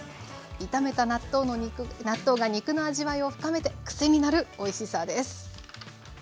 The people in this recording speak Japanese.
炒めた納豆が肉の味わいを深めて癖になるおいしさです。